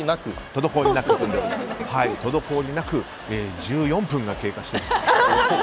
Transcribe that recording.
滞りなく１４分が経過しています。